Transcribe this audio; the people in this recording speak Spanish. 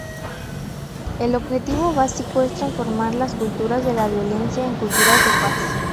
El objetivo básico es transformar las culturas de la violencia en culturas de paz.